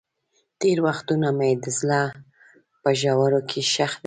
تېر وختونه مې د زړه په ژورو کې ښخ دي.